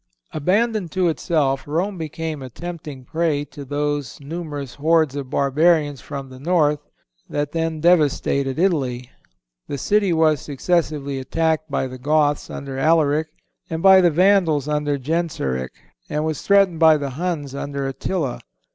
Abandoned to itself, Rome became a tempting prey to those numerous hordes of Barbarians from the North that then devastated Italy. The city was successively attacked by the Goths under Alaric, and by the Vandals under Genseric, and was threatened by the Huns under Attila.